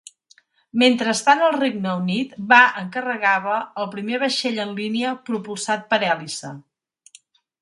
Mentrestant el Regne Unit va encarregava el primer vaixell en línia propulsat per hèlice.